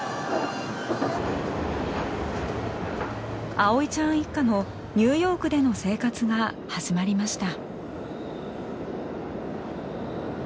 葵ちゃん一家のニューヨークでの生活が始まりました。